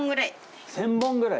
１，０００本ぐらい！？